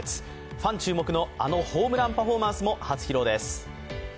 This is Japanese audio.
ファン注目のあのホームランパフォーマンスも初披露です。